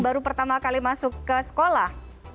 baru pertama kali masuk ke sekolah